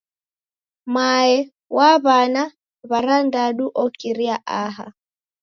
Mae wa w'ana w'arandadu okiria aha!